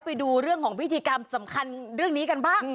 ไปดูเรื่องของพิธีกรรมสำคัญเรื่องนี้กันบ้าง